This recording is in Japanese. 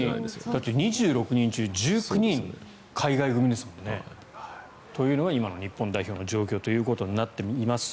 だって２６人中１９人海外組ですもんね。という今の日本の状況となっています。